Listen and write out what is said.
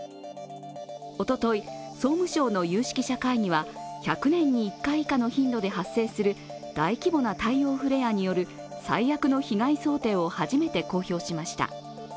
おととい、総務省の有識者会議は１００年に１回以下の頻度で発生する大規模な太陽フレアによる最悪の被害想定を初めて公表しました。